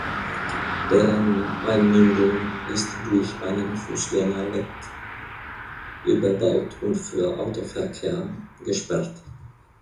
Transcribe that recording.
Deren Einmündung ist durch einen Fußgängerweg überbaut und für den Autoverkehr gesperrt.